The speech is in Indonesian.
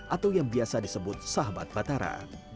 atau yang biasa disebut sahabat batara